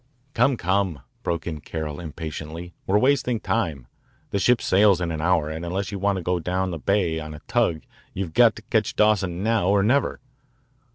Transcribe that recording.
Come, come," broke in Carroll impatiently, we're wasting time. The ship sails in an hour and unless you want to go down the bay on a tug you've got to catch Dawson now or never.